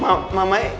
lah ini mamai